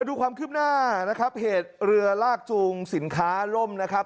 ดูความคืบหน้านะครับเหตุเรือลากจูงสินค้าล่มนะครับ